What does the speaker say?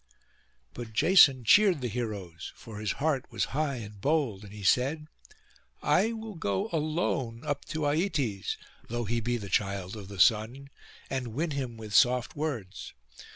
But Jason cheered the heroes, for his heart was high and bold; and he said, 'I will go alone up to Aietes, though he be the child of the Sun, and win him with soft words.